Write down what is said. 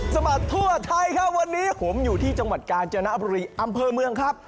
บัดทั่วไทยครับวันนี้ผมอยู่ที่จังหวัดกาญจนบุรีอำเภอเมืองครับ